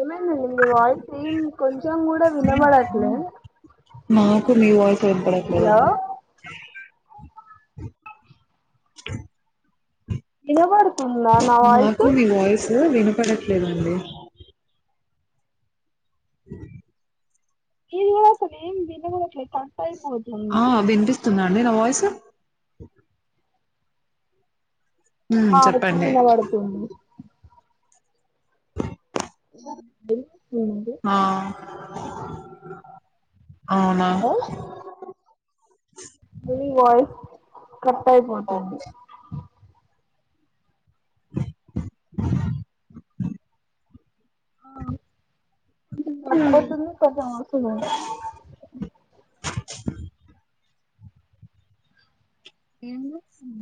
ఏమైంది అండి మీ వాయిస్ సేమ్ కొంచం కూడా వినబడట్లే నాకు మీ వాయిస్ హలో వినపడట్లేదండి విలబడు నాకు మీ వాయిస్ విను పడట్లేదండి [inaudible] ఏం వినబడతాలే ఏం వినబడట్లే అయిపోతుంది ఆ వినిపిస్తుందా అండీ నా వాయిస్ అ హ్మ్. ఆ ఇప్పుడు చెప్పండి. వినబడుతుంది ది ఏంది ఆ! అవునా ని వాయిస్ కట్ అయిపోతుంది [unintelligible] ఆ కొంచెం కట్ అవుతుంది కొంచెం వాయిస్ ఉంది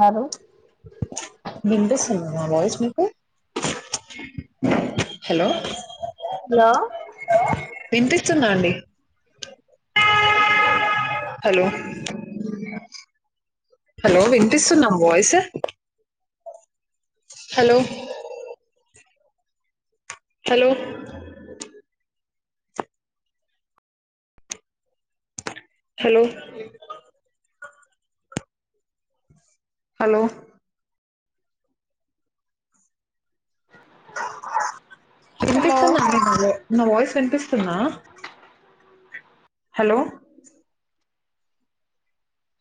హలో వినిపిస్తుందా నా వాయిస్ మీకు? హలో వినిపిస్తుందా అండి హలో హలో వినిపిస్తుందా voice hello hello hello hello hello వినిపిస్తుందా అండి నా వాయిస్ వినిపిస్తుందా? హలో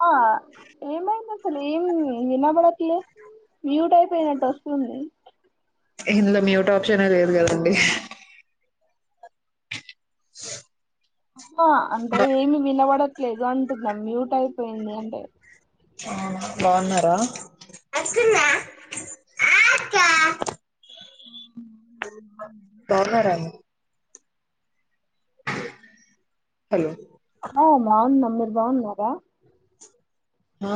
ఆ ఏమైంది అసలు ఏం వినబడట్లే మ్యూట్ అయిపోయినట్టు వస్తుంది. ఇందులో మ్యూట్ ఆప్షనే లేదు కదండి. స్ ఆ అంటే ఏమి వినబడ ట్లేదు అంటున్నా మ్యూట్ అయిపోయింది అంటే ఆ బావున్నారా? ఆ బావున్నారా అండి హలో ఆ బావున్నా మీర్ రు బావున్నారా హా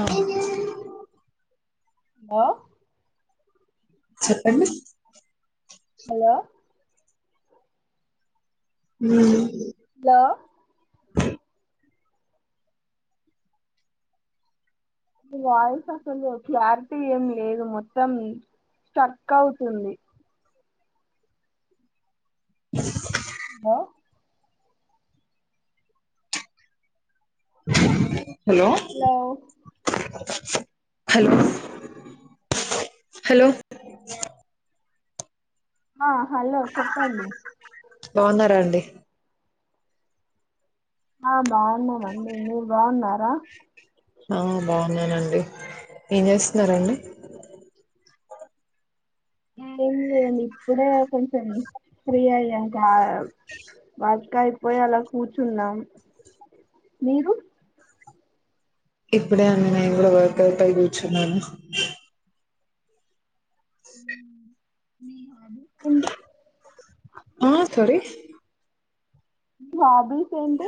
హలో చెప్పండి హలో ఊమ్మ్ హలో మీ వాయిస్ అసలు క్లారిటీ ఏం లేదు మొత్తం స్టక్ అవుతుంది. [unintelligible] హలో అ హలో హలో హలో హలో ఆ హలో చెప్పండి బావున్నారా అండి? ఆ బావున్నానండి మీరు బావున్నారా? ఆ బావున్నానండి ఏం చేస్తున్నారండి? హ్మ్ అదేం లేదండి ఇప్పుడే కొంచెం ఫ్రీ అయ్యాం కా వర్క్ అయిపోయి అలా కూర్చున్నాం మీరు? ఇప్పుడే అండి నేను కూడా వర్క్ అయిపోయి కూర్చున్నాను. ఏంటి? ఆ సోరీ మాబి ఏంటి?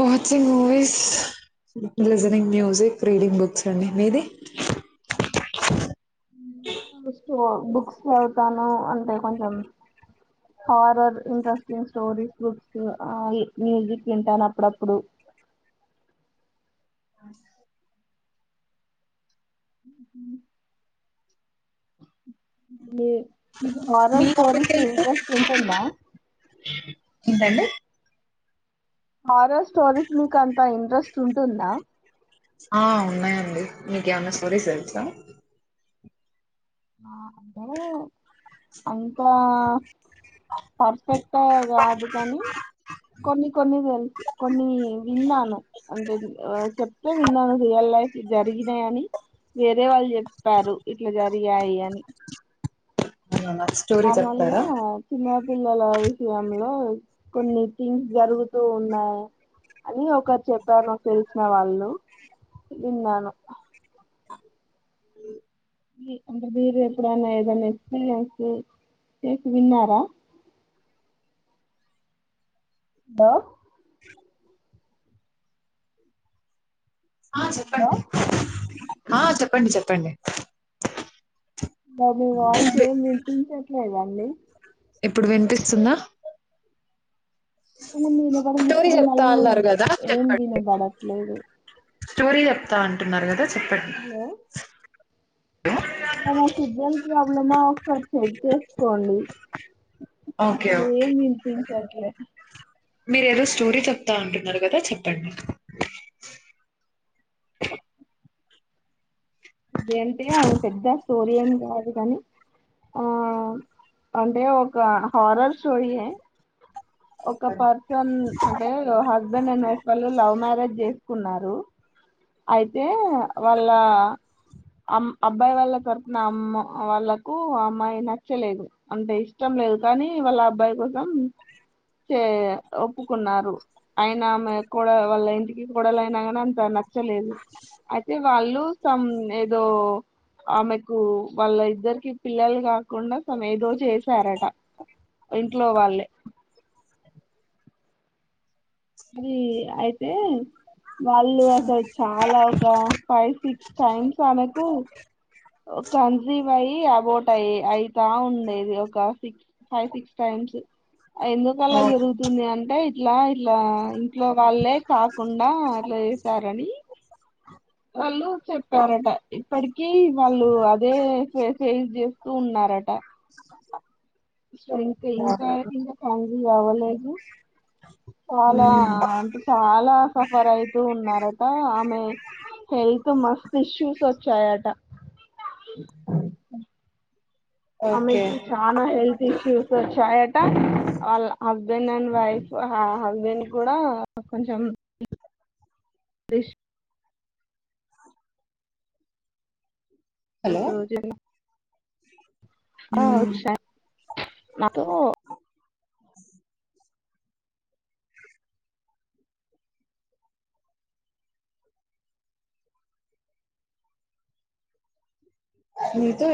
Watching movies, listening music, reading books అండి మీది? మ్ బుక్సు బుక్స్ చదువుతాను. అంటే, కొంచెం horror interesting stories books, music ఇంటాను అప్పుడప్పుడు. మీర్ మీకు మీ మారల్ హాబీస్ స్టోరీస్ ఏ ఏంటి ట్రెస్ట్ ఉంటుందా? ఏంటండీ? హారర్ స్టోరీస్ మీకంత ఇంట్రెస్ట్ ఉంటుందా? ఆ ఉన్నాయండి. మీకేమన్నా స్టోరీస్ తెల్సా? మా అందరూ అంతా పర్ఫెక్ ట కాదు కానీ, కొన్ని కొన్ని తెలుసు. కొన్ని విన్నాను. అంటే చెప్తే విన్నాను రియల్ లైఫ్ జరిగినయని వేరే వాళ్ చెప్పారు ఇట్ల జరి. రిగాయి అని అవునా నాకు స్టోరీ నార్మల్గా చెప్తారా చిన్నారి పిల్లల విషయంలో కొన్ని థింగ్స్ జరుగుతూ ఉన్నాయి, అని ఒకరు చెప్పారు. మాకు తెలిసిన వాళ్ళు, విన్నాను. మీ అంటే మీరు ఎప్పుడన్నా ఏదైన్న ఎక్స్పీరియన్స్ చేసి విన్నారా? ద ఆ హలో చెప్పండి. ఆ చెప్పండి చెప్పండి. అబ్బ మీ వాయిస్ ఏం వినిపించ లేద అండి? ఇప్పుడు వినిపిస్తుందా? ఇప్పుడు వినపడింది. స్టోరీ ఇప్పుడు చెప్తా మళ్ళీ అన్నారు కదా ఏం చెప్పండి వినేబడట్ లేదు స్టోరీ చెప్తా అంటున్నారు కదా? చెప్పండి. బా నాకిబ్బంది యాబ్లమో సర్ చెక్ చేసుకోండి. ఓకే ఓకే అసలేం వినిపించట్ల మీరు ఏదో స్టోరీ చెప్తా అంటున్నారు కదా చెప్పండి. దెంటియా ఓ పెద్ద స్టోరీ ఏం కాదు కాని, ఆ అంటే, ఒక హారర్ స్టోరీయే. ఒక పర్సన్ అంటే హస్బెండ్ అండ్ వైఫ్ వాళ్ళు లవ్ మ్యారేజ్ చేస్ కున్నారు. అయితే, వాళ్ళ అమ్ అబ్బాయి వాళ్ళ తరుపున అమ్మ వాళ్ళకు అమ్మాయి నచ్చలేదు. అంటే ఇష్టం లేదు కానీ, వాళ్ళ అబ్బాయి కోసం చే ఒప్పుకున్నారు అయినామె కూడా వాళ్ళ ఇంటికి కూడలయినా కానీ అంత న నచ్చలేదు అయితే వాళ్ళు సమ్ ఏదో ఆమెకు వాళ్ళ ఇద్దరికి పిల్లలు కాకుండా తను ఏదో చేసారట ఇంట్లో వాళ్ళే అరి అయితే వాళ్ళు అసలు చాలా ఒక ఫైవ్ సిక్స్ టైమ్స్ అమేకు కన్సీవ్ అయి అబౌట్ అ అయితా ఉండేది ఒక సిక్స్ ఫైవ్ సిక్స్ టైమ్స్ ఎందుకల్లా ఓ- జరుగుతుంది అం టె ఇట్లా ఇలా ఇంట్లో వాళ్ళే కాకుండా అట్లా చేసారని వాళ్ళు చెప్పారట ఇప్పటిక వాళ్ళు అదే ఫేస్ చేస్తూ ఉన్నారట స ఇంకాం కింద ఫ్యామ్ ఇగ అవ్వలేదు చాలా అంటే చాలా సఫర్ అయితూ ఉన్నారట ఆమె హెల్త్ మస్త్ ఇష్యూస్ వచ్చాయట ఆమె్ ఓకే చానా హెల్త్ ఇ ష్యూస్ వొచ్చాయట వాళ్ళ హస్బెండ్ అండ్ వైఫ్ ఆ హస్బెండ్ కూడా కొంచెం రష్ సో హ్మ్మ్ నాకు మీతో